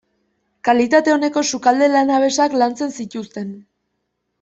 Kalitate oneko sukalde lanabesak lantzen zituzten.